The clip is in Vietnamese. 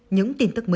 những tin tức mới